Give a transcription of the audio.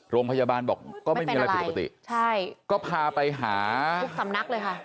โรงพยาบาลบอกก็ไม่มีอะไรปกติไม่เป็นอะไรใช่ก็พาไปหาสำนักเลยค่ะ